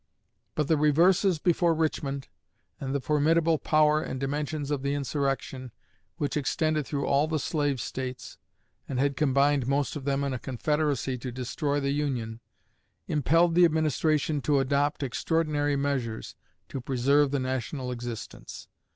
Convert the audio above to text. But the reverses before Richmond, and the formidable power and dimensions of the insurrection, which extended through all the Slave States, and had combined most of them in a confederacy to destroy the Union, impelled the Administration to adopt extraordinary measures to preserve the national existence.